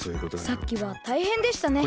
さっきはたいへんでしたね。